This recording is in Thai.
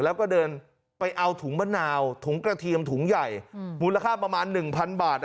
แล้วก็เดินไปเอาถุงมะนาวถุงกระเทียมถุงใหญ่มูลค่าประมาณ๑๐๐บาท